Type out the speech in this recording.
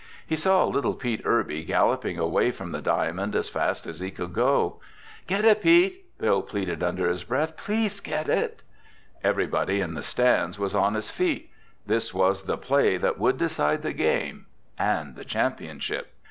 He saw little Pete Irby galloping away from the diamond as fast as he could go. "Get it, Pete!" Bill pleaded under his breath. "Please get it!" Everybody in the stands was on his feet. This was the play that would decide the game—and the championship.